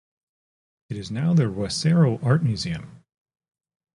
It is now the Rwesero Art Museum.